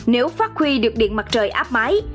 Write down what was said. nếu phát huy được điện mặt trời áp máy